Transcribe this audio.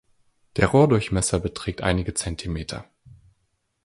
Der Rohrdurchmesser beträgt einige Zentimeter.